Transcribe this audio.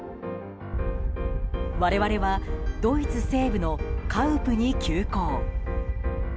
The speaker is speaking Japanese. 我々はドイツ西部のカウプに急行。